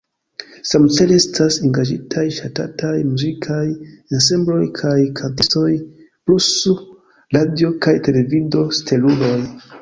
Samcele estas engaĝitaj ŝatataj muzikaj ensembloj kaj kantistoj plus radio- kaj televido-steluloj.